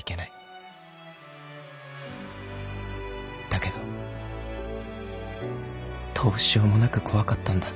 ［だけどどうしようもなく怖かったんだ］